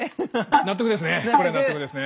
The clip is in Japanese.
納得ですね。